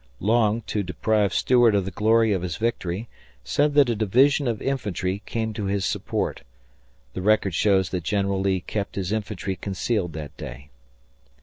Long, to deprive Stuart of the glory of his victory, said that a division of infantry came to his support. The record shows that General Lee kept his infantry concealed that day.